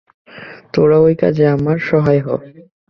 তোরা ঐ কাজে আমার সহায় হ।